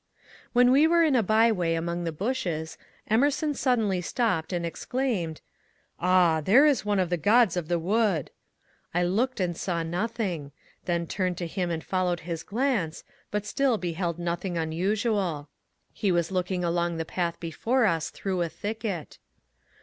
When we were in a byway among the bushes, Emerson suddenly stopped and exclaimed, ^' Ah ! there is one of the gods of the wood I " I looked and saw nothing; then turned to him and followed his glance, but still beheld nothing unusual. He was looking sdong the path before us through a thicket.